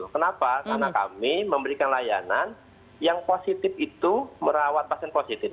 kenapa karena kami memberikan layanan yang positif itu merawat pasien positif